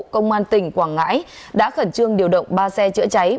công an tỉnh quảng ngãi đã khẩn trương điều động ba xe chữa cháy